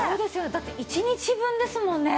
だって１日分ですもんね。